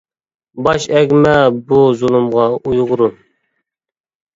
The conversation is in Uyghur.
باش ئەگمە بۇ زۇلۇمغا ئۇيغۇرۇم!